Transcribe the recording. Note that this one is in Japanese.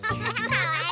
かわいい！